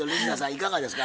いかがですか？